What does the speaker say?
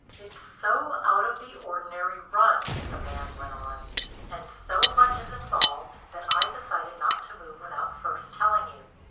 "It's so out of the ordinary run," the man went on, "and so much is involved that I decided not to move without first telling you.